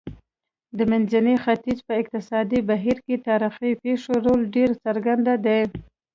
د منځني ختیځ په اقتصادي بهیر کې تاریخي پېښو رول ډېر څرګند دی.